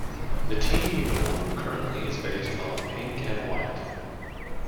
The team uniform currently is based on pink and white.